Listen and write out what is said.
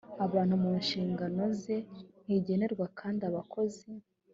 abantu mu nshingano ze ntigenerwa kandi abakozi